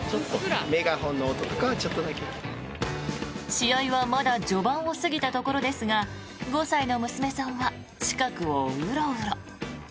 試合はまだ序盤を過ぎたところですが５歳の娘さんは近くをウロウロ。